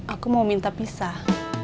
aku mau minta pisah